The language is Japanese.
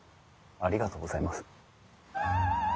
ありがとうございます。